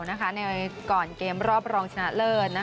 ในก่อนเกมรอบรองชนะเลิศ